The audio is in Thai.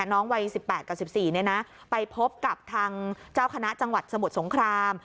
น้องวัย๑๘กับ๑๔ไปพบกับทางเจ้าคณะจังหวัดสมุทรสงคราม